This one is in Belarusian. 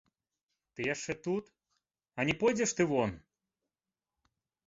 Ты яшчэ тут, а не пойдзеш ты вон?